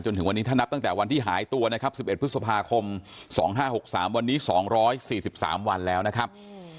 จนถึงวันนี้ท่านับตั้งแต่วันที่หายตัวนะครับสิบเอ็ดพฤษภาคมสองห้าหกสามวันนี้สองร้อยสี่สิบสามวันแล้วนะครับ